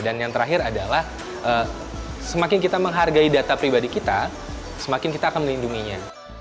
dan yang terakhir adalah semakin kita menghargai data pribadi kita semakin kita akan melindunginya